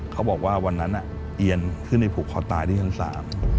เขาบอกว่าวันนั้นเอียนขึ้นไปผูกคอตายที่ชั้นสาม